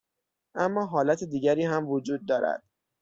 اما حالت دیگری هم وجود دارد.